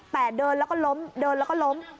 แต่เดินแล้วก็ล้มเดินแล้วก็ล้ม